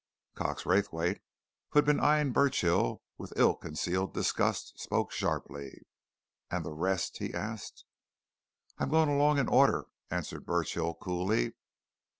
Cox Raythwaite, who had been eyeing Burchill with ill concealed disgust, spoke sharply. "And the rest?" he asked. "I'm going along in order," answered Burchill coolly.